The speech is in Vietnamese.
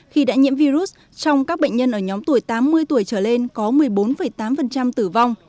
khi đã nhiễm virus trong các bệnh nhân ở nhóm tuổi tám mươi tuổi trở lên có một mươi bốn tám tử vong